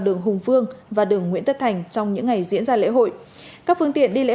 đường hùng phương và đường nguyễn tất thành trong những ngày diễn ra lễ hội các phương tiện đi lễ